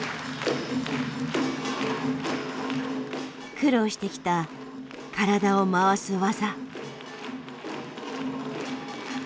苦労してきた体を回す技。